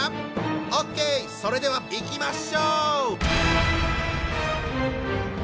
オッケーそれではいきましょう！